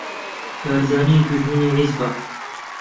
بارزانی دوژمنی حیزبە